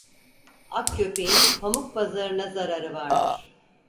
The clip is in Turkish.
Ak köpeğin pamuk pazarına zararı vardır.